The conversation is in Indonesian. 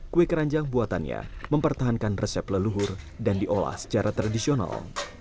kue keranjang buatannya mempertahankan resep leluhur dan diolah secara tradisional